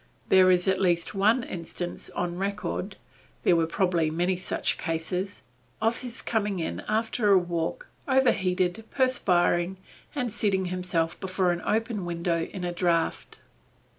There is at least one instance on record, there were probably many such cases, of his coming in after a walk, overheated, perspiring, and seating himself before an open window in a draught.